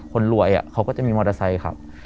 คนรวยเขาก็จะมีมอเตอร์ไซค์ขับ